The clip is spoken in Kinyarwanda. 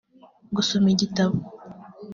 gusoma igitabo